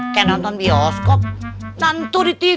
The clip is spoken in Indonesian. kayak nonton bioskop nantu di tv